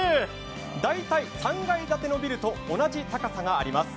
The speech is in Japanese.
大体３階建てのビルと同じ高さがあります。